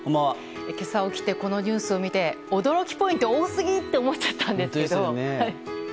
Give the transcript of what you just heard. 今朝起きてこのニュースを見て驚きポイント多すぎ！って思っちゃったんですけど。